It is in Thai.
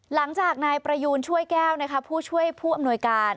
หลังจากนายประยูนช่วยแก้วผู้ช่วยผู้อำนวยการ